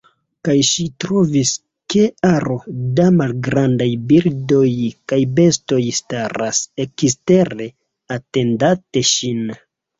Kaj ŝi trovis, ke aro da malgrandaj birdoj kaj bestoj staras ekstere atendante ŝin.